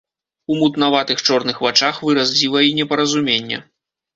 У мутнаватых чорных вачах выраз дзіва і непаразумення.